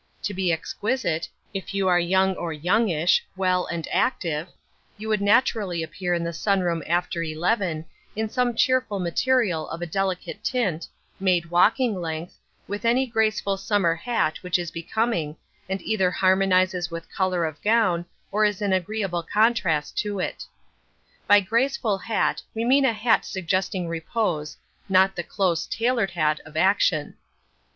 To be exquisite, if you are young or youngish, well and active, you would naturally appear in the sun room after eleven, in some sheer material of a delicate tint, made walking length, with any graceful Summer hat which is becoming, and either harmonises with colour of gown or is an agreeable contrast to it. By graceful hat we mean a hat suggesting repose, not the close, tailored hat of action.